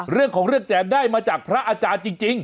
เรื่องของเรื่องแจกได้มาจากพระอาจารย์จริง